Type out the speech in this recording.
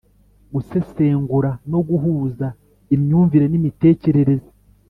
Gusesengura no guhuza imyumvire n’ imitekerereze